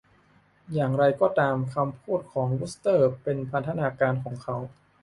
อย่างไรก็ตาม คำพูดของวูสเตอร์เป็นพันธการของเขา